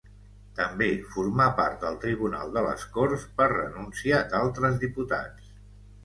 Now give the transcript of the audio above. També formà part del Tribunal de les Corts per renúncia d'altres diputats.